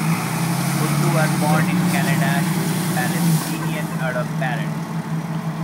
Buttu was born in Canada to Palestinian Arab parents.